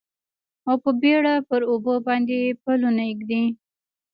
او په بیړه پر اوبو باندې پلونه ږدي